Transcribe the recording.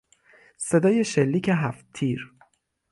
صدای شلیک هفتتیر